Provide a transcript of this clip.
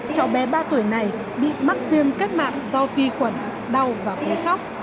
cháu bé ba tuổi này bị mắc viêm kết mạc do vi quẩn đau và cúi khóc